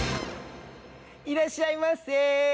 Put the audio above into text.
いらっしゃいませ。